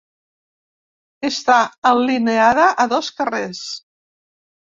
Està alineada a dos carrers.